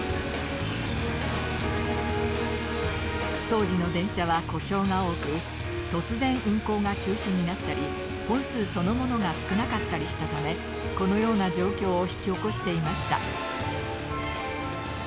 当時の電車は故障が多く突然運行が中止になったり本数そのものが少なかったりしたためこのような状況を引き起こしていました。